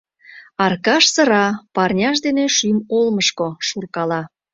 — Аркаш сыра, парняж дене шӱм олмышко шуркала.